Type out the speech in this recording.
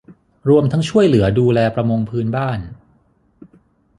รวมทั้งช่วยเหลือดูแลประมงพื้นบ้าน